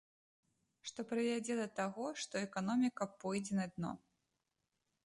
Што прывядзе да таго, што эканоміка пойдзе на дно.